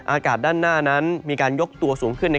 อากาศด้านหน้านั้นมีการยกตัวสูงขึ้น